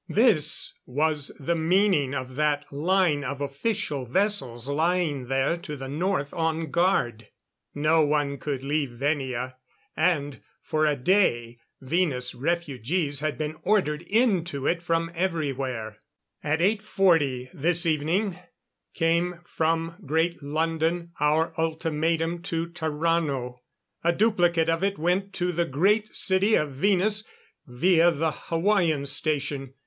This was the meaning of that line of official vessels lying there to the north on guard. No one could leave Venia, and for a day Venus refugees had been ordered into it from everywhere. At 8:40 this evening came from Great London our ultimatum to Tarrano. A duplicate of it went to the Great City of Venus via the Hawaiian Station.